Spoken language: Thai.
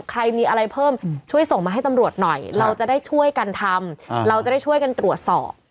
ใครมีอะไรเพิ่มช่วยส่งมาให้ตำรวจหน่อยเราจะได้ช่วยกันทำเราจะได้ช่วยกันตรวจสอบ